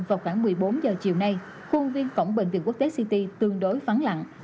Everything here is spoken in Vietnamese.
vào khoảng một mươi bốn giờ chiều nay khuôn viên cổng bệnh viện quốc tế city tương đối vắng lặng